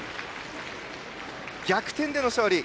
逆転での勝利。